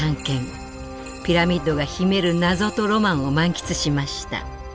ピラミッドが秘める謎とロマンを満喫しました。